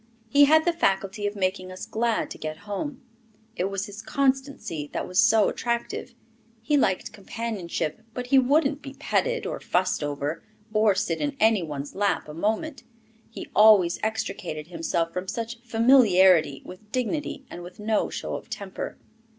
He had the faculty of making us glad to get home. It was his constancy that was so attractive. He liked companionship, but he wouldn't be petted, or fussed over, or sit in any one's lap a moment; he always extricated himself from such familiarity with dignity and with no show of temper.